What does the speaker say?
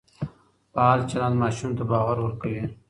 فعال چلند ماشوم ته باور ورکوي.